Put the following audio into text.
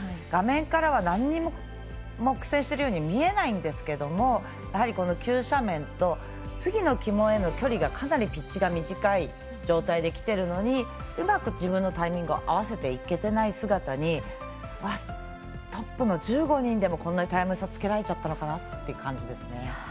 画面からは何も苦戦しているように見えないんですけどやはり、急斜面と次の旗門への距離がかなりピッチが短い状態できているのにうまく自分のタイミングを合わせていけていない姿にトップの１５人でもこんなにタイム差つけられちゃったのかなという感じですね。